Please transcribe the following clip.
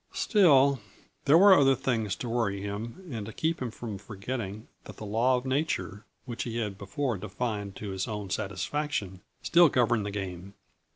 Still, there were other things to worry him and to keep him from forgetting that the law of nature, which he had before defined to his own satisfaction, still governed the game.